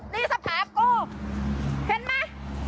นี่สะแผบกูเห็นมั้ย